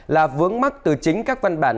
là vướng mắt từ chính các văn bản